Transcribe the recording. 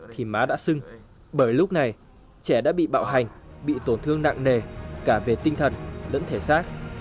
khi má đã sưng bởi lúc này trẻ đã bị bạo hành bị tổn thương nặng nề cả về tinh thần lẫn thể xác